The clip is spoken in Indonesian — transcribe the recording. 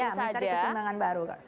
ya mencari keseimbangan baru